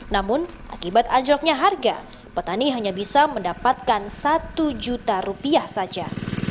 namun akibat anjloknya harga petani hanya bisa mendapatkan satu juta rupiah saja